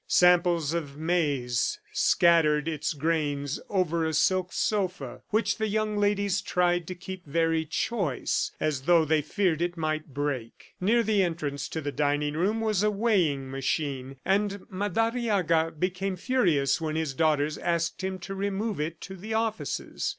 Samples of maize scattered its grains over a silk sofa which the young ladies tried to keep very choice, as though they feared it might break. Near the entrance to the dining room was a weighing machine, and Madariaga became furious when his daughters asked him to remove it to the offices.